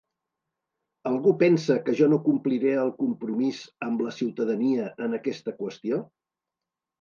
Algú pensa que jo no compliré el compromís amb la ciutadania en aquesta qüestió?